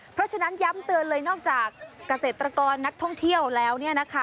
เพราะฉะนั้นย้ำเตือนเลยนอกจากเกษตรกรนักท่องเที่ยวแล้วเนี่ยนะคะ